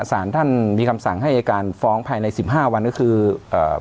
สารท่านมีคำสั่งให้อายการฟ้องภายในสิบห้าวันก็คือเอ่อ